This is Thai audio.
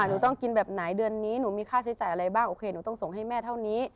หนูต้องกินแบบไหนเดือนนี้หนูมีค่าใช้จ่ายอะไรบ้างโอเคหนูต้องส่งให้แม่เท่านี้